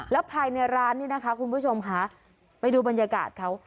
แล้วภายในร้านนี้นะคะคุณผู้ชมค่ะไปดูบรรยากาศเขา